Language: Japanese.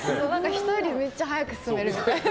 人よりめっちゃ速く進めるみたいな。